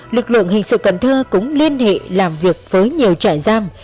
lực lượng hình sự cần thơ cũng liên hệ làm việc với nhiều trại giam